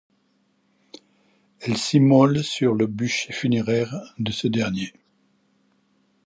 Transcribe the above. Elle s'immole sur le bûcher funéraire de ce dernier.